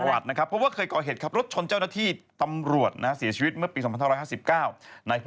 และจากการสอบถาม